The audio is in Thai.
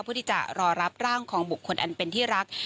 พูดดีจักรรรรับร่างของบุคคลอันเป็นที่รัก